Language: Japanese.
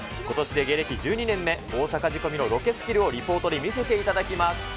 ことしで芸歴１２年目、大阪仕込みのロケスキルをリポートで見せていただきます。